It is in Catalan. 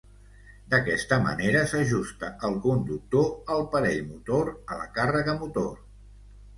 D'aquesta manera s'ajusta el conductor el parell motor a la càrrega motor.